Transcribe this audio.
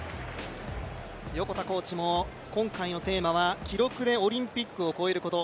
横田コーチも今回のテーマは記録でオリンピックを超えること。